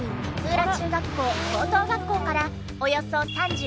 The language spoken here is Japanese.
浦中学校・高等学校からおよそ３２キロ